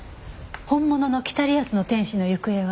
本物の『北リアスの天使』の行方は？